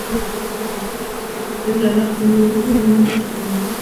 Ebirala ku mbiri.